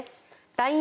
ＬＩＮＥ